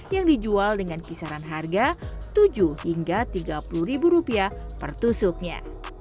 yang dijual dengan kisaran harga tujuh hingga tiga puluh ribu rupiah per tusuknya